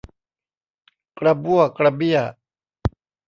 กระบั้วกระเบี้ย